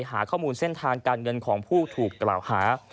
หาข้อมูลเส้นทางการเงินของผู้ถูกกล่าวหา